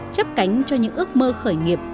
chấp cánh cho những ước mơ khởi nghiệp